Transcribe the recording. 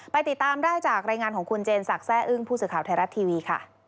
ไปติดตามได้จากรายงานของคุณเจนศักดิ์แซ่อึ้งผู้สึกข่าวไทยรัฐทีวี